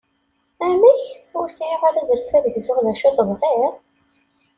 Amek! Ur sɛiɣ ara azref ad gzuɣ d acu tebɣiḍ?